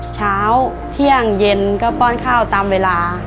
เช้าเที่ยงเย็นก็ป้อนข้าวตามเวลา